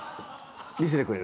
見せてくれる？